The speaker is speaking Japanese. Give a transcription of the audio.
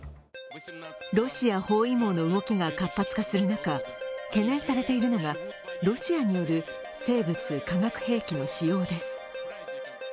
ロシア包囲網の動きが活発化する中、懸念されているのがロシアによる生物・化学兵器の使用です。